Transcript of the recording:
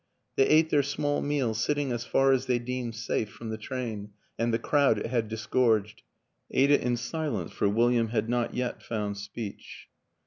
They ate their small meal sitting as far as they deemed safe from the train and the crowd it had disgorged ate it in silence, for William had not yet found speech.